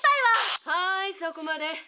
「はいそこまで。